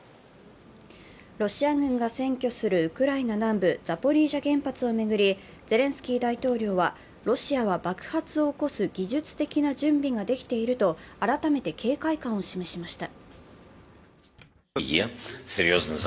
ロシア軍が占拠するウクライナ南部ザポリージャ原発を巡りゼレンスキー大統領は、ロシアは爆発を起こす技術的な準備ができていると改めて警戒感を示しました。